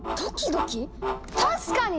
確かに！